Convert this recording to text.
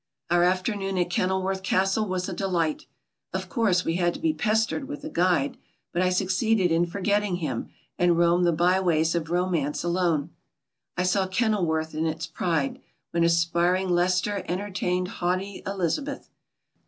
Our afternoon at Kenilworth Casde was a delight. Of course, we had to be pestered with a guide; but I succeeded in forgetting him, and roamed the byways of romance alone. I saw Kenilworth in its pride, when aspiring Leicester entertained haughty Eliz^>eth.